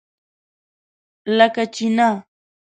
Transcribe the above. لکه چینۀ!